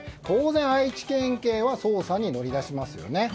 当然、愛知県警は捜査に乗り出しますよね。